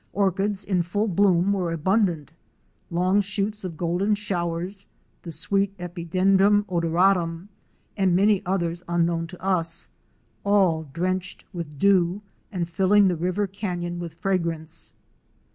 Orchids in full bloom were abundant, long shoots of Golden Showers, the sweet Epidendrum odoratum and many others unknown to us, all drenched with dew and filling the river canyon with fragrance.